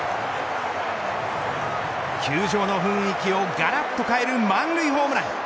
球場の雰囲気をがらっと変える満塁ホームラン。